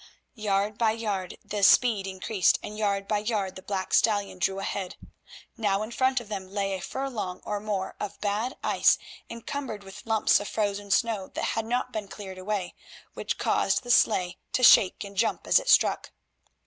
Yard by yard the speed increased, and yard by yard the black stallion drew ahead. Now in front of them lay a furlong or more of bad ice encumbered with lumps of frozen snow that had not been cleared away, which caused the sleigh to shake and jump as it struck.